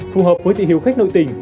phù hợp với tỷ hiệu khách nội tỉnh